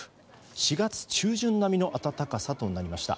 ４月中旬並みの暖かさとなりました。